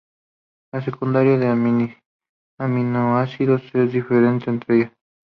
La secuencia de aminoácidos es diferente entre ellas.